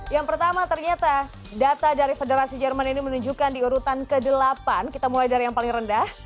yang pertama ternyata data dari federasi jerman ini menunjukkan di urutan ke delapan kita mulai dari yang paling rendah